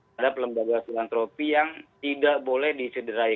terhadap lembaga filantropi yang tidak boleh disederai